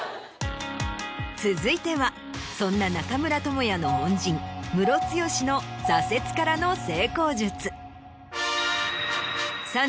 続いてはそんな中村倫也の恩人ムロツヨシの挫折からの成功術。